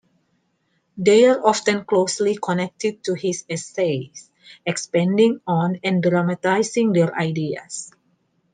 They are often closely connected to his essays; expanding on and dramatizing their ideas.